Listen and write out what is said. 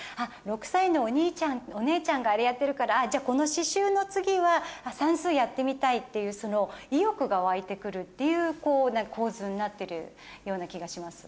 ６歳のお兄ちゃんお姉ちゃんがあれやってるからこの刺しゅうの次は算数やってみたいっていう意欲が湧いて来るっていう構図になってるような気がします。